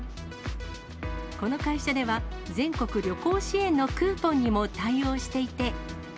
この会社では、全国旅行支援のクーポンにも対応していて。